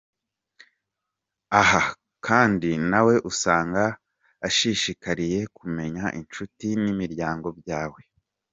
Aha kandi nawe usanga ashishikariye kumenya inshuti n’imiryango byawe.